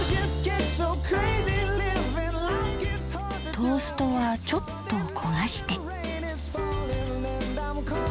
トーストはちょっと焦がして。